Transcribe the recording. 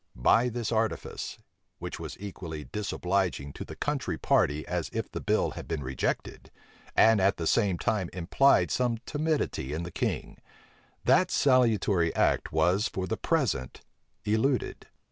By this artifice, which was equally disobliging to the country party as if the bill had been rejected, and at the same time implied some timidity in the king, that salutary act was for the present eluded.